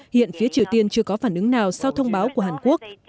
hiện phía triều tiên chưa có phản ứng nào sau thông báo của hàn quốc